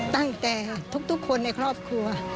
ตั้งแต่ทุกคนในครอบครัว